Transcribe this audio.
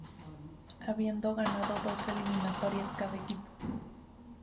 Habiendo ganado dos eliminatorias cada equipo.